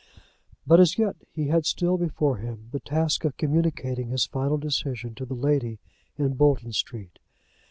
But, as yet, he had still before him the task of communicating his final decision to the lady in Bolton Street.